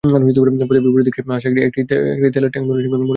পথে বিপরীত দিক থেকে আসা একটি তেলের ট্যাংক-লরির সঙ্গে মোটরসাইকেলটি ধাক্কা খায়।